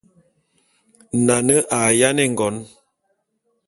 Nane a yáne ngon.